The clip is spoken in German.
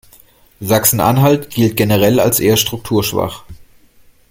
Sachsen-Anhalt gilt generell als eher strukturschwach.